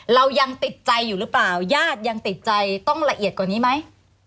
เรายังติดใจอยู่หรือเปล่าญาติยังติดใจต้องละเอียดกว่านี้ไหม